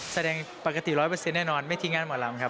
แสดงปกติ๑๐๐แน่นอนไม่ทิ้งงานหมอลำครับ